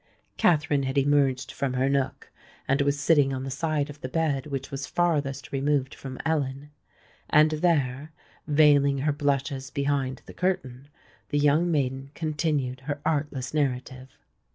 Katherine had emerged from her nook, and was sitting on the side of the bed which was farthest removed from Ellen; and there, veiling her blushes behind the curtain, the young maiden continued her artless narrative.